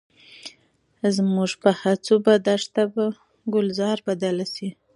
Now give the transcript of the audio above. زموږ په هڅو به دښته په ګلزار بدله شي.